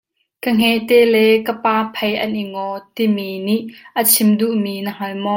Ka hngete le ka pa phei an i ngaw, timi nih a chim duh mi na hngal maw?